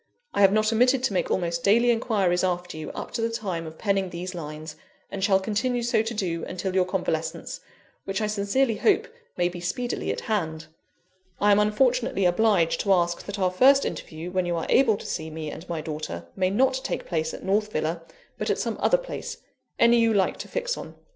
I have not omitted to make almost daily inquiries after you, up to the time of penning these lines, and shall continue so to do until your convalescence, which I sincerely hope may be speedily at hand; I am unfortunately obliged to ask that our first interview, when you are able to see me and my daughter, may not take place at North Villa, but at some other place, any you like to fix on.